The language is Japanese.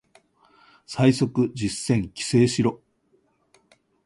最速実践規制しろ